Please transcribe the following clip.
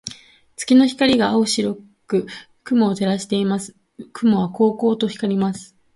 月の光が青白く雲を照らしています。雲はこうこうと光ります。